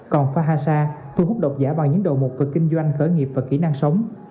còn fahasa thu hút độc giả bằng những đầu mục về kinh doanh khởi nghiệp và kỹ năng sống